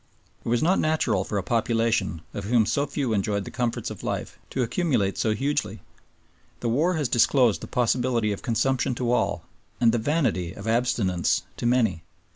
It was not natural for a population, of whom so few enjoyed the comforts of life, to accumulate so hugely. The war has disclosed the possibility of consumption to all and the vanity of abstinence to many.